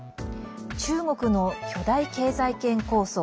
中国の巨大経済圏構想